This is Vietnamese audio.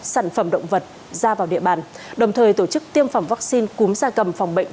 sản phẩm động vật ra vào địa bàn đồng thời tổ chức tiêm phòng vaccine cúm da cầm phòng bệnh